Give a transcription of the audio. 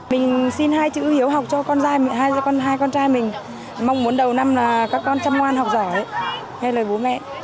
mình xin hai chữ hiếu học cho hai con trai mình mong muốn đầu năm là các con chăm ngoan học giỏi theo lời bố mẹ